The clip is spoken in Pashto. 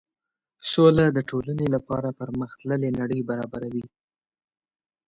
سوله د ټولنې لپاره پرمخ تللې نړۍ برابروي.